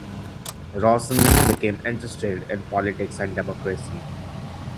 Rawson became interested in politics and democracy.